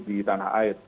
di tanah air